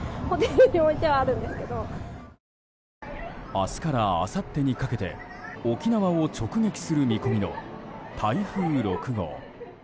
明日からあさってにかけて沖縄を直撃する見込みの台風６号。